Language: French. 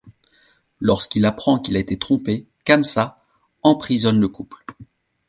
Lorsqu'il apprend qu'il a été trompé, Kamsa emprisonne le couple.